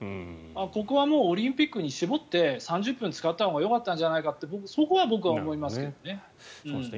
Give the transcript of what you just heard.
ここはもうオリンピックに絞って３０分使ったほうがよかったんじゃないかってそこは僕は思いますけどね。